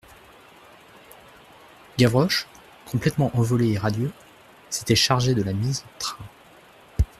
Gavroche, complètement envolé et radieux, s'était chargé de la mise en train.